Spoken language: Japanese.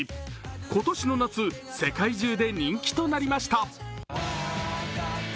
今年の夏、世界中で人気となりました。